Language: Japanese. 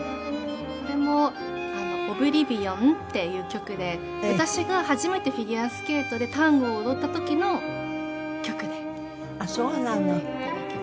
これも『オブリビオン』っていう曲で私が初めてフィギュアスケートでタンゴを踊った時の曲で踊らせて頂きました。